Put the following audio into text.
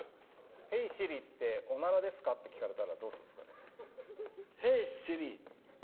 ヘイシリっておならですか？って聞かれたらどうするんですか。